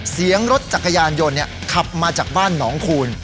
รถจักรยานยนต์ขับมาจากบ้านหนองคูณ